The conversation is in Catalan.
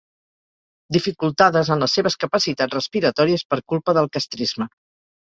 Dificultades en les seves capacitats respiratòries per culpa del castrisme.